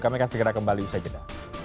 kami akan segera kembali usai jeda